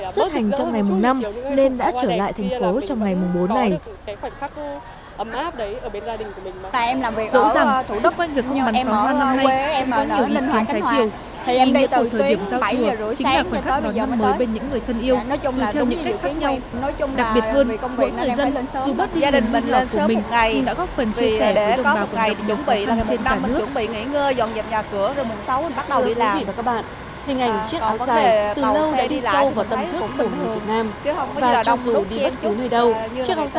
xuất hành trong những ngày trở lại thành phố hồ chí minh